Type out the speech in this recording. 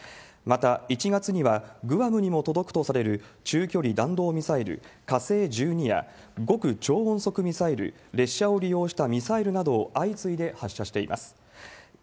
また、１月にはグアムにも届くとされる中距離弾道ミサイル、火星１２や、極超音速ミサイル、列車を利用したミサイルなどを相次いで発射しています。